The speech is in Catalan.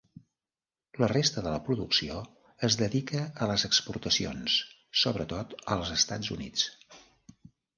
La resta de la producció es dedica a les exportacions, sobretot als Estats Units.